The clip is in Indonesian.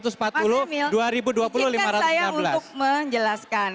saya ingin menjelaskan